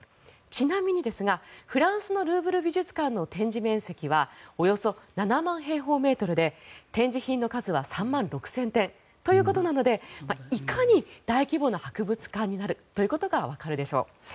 ちなみにフランスのルーブル美術館の展示面積はおよそ７万平方メートルで展示品の数は３万６０００点ということなのでということなのでいかに大規模な博物館になるかということがわかるでしょう。